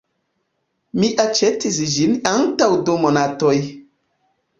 Mi aĉetis ĝin antaŭ du monatoj.